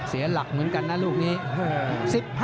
เสียหลักเหมือนกันนะลูกนี้